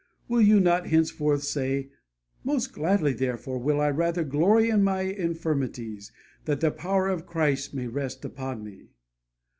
Will you not henceforth say, 'Most gladly, therefore, will I rather glory in my infirmities, that the power of Christ may rest upon me'?